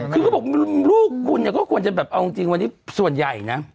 คือเขาบอกลูกคุณเนี่ยก็ควรจะแบบเอาจริงวันนี้ส่วนใหญ่นะ